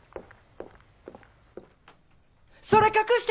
それ隠して！